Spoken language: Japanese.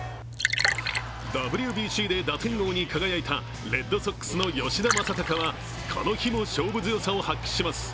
ＷＢＣで打点王に輝いたレッドソックスの吉田正尚はこの日も勝負強さを発揮します。